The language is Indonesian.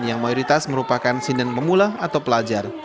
yang mayoritas merupakan sinden pemula atau pelajar